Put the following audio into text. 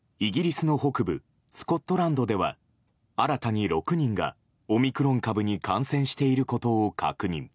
スコットランドでは新たに６人がオミクロン株に感染していることを確認。